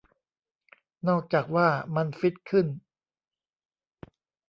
นอกจากว่ามันฟิตขึ้น